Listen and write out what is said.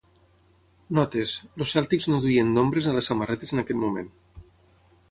Notes: els Celtics no duien nombres a les samarretes en aquest moment.